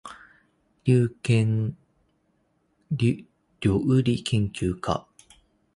りょうりけんきゅうか